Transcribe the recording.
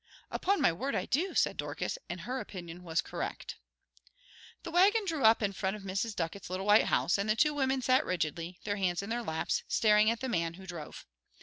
"Upon my word I do!" said Dorcas, and her opinion was correct. The wagon drew up in front of Mrs. Ducket's little white house, and the two women sat rigidly, their hands in their laps, staring at the man who drove.